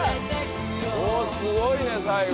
おっすごいね最後！